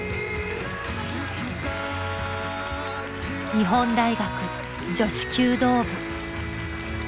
日本大学女子弓道部。